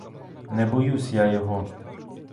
Не боюсь я його.